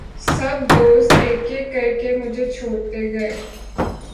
سب دوست ایک ایک کرکے مُجھے چھوڑتے گئے